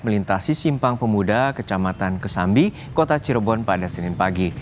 melintasi simpang pemuda kecamatan kesambi kota cirebon pada senin pagi